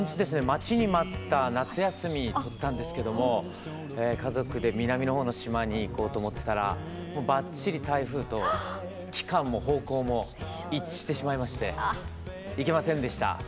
待ちに待った夏休み取ったんですけども家族で南の方の島に行こうと思ってたらもうばっちり台風と期間も方向も一致してしまいまして行けませんでした。